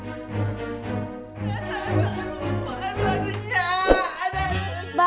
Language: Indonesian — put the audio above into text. aduh aduh aduh aduh aduh aduh aduh